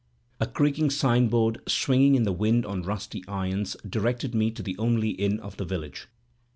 A creaking signboard, swinging in the wind on rusty irons, directed me to the only inn of the village.